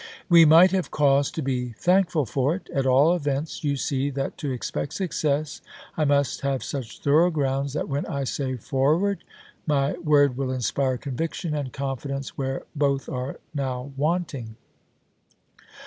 We might have cause to be thankful tJ^Haueck, for it J at aU events you see that to expect success ^'1863"' I must have such thorough grounds that when I xxiii.r ■ say ' forward ' my word will inspire conviction and p 8 " confidence where both are now wanting."